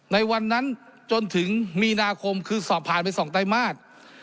ในวันนั้นจนถึงมีนาคมคือสอบผ่านไป๒ไตรมาส